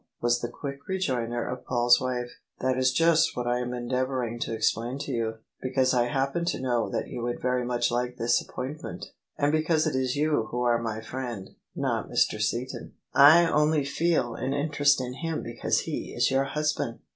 was the quick rejoinder of Paul's wife. " That is just what I am endeavouring to explain to you: because I happen to know that you would very much like this appointment; and because it is you who are my friend — ^not Mr. Seaton. I only feel an interest in him because he is your husband!